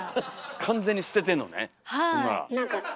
完全に捨ててんのねほんなら。